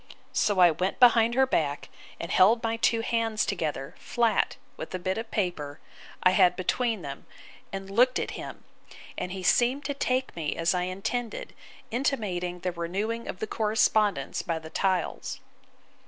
So I went behind her back, and held my two hands together, flat, with a bit of paper, I had, between them, and looked at him: and he seemed to take me as I intended; intimating the renewing of the correspondence by the tiles.